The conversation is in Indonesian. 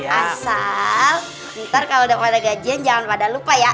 asal ntar kalau udah pada gajian jangan pada lupa ya